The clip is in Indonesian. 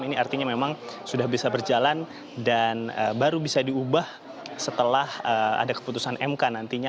ini artinya memang sudah bisa berjalan dan baru bisa diubah setelah ada keputusan mk nantinya